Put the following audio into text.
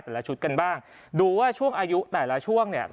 ละชุดกันบ้างดูว่าช่วงอายุแต่ละช่วงเนี่ย